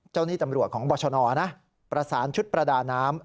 เจ้านี่ตำรวจของบชนนะประสานชุดประดาน้ำ